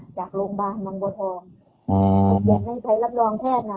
ที่จะไปกับลงบางบทอง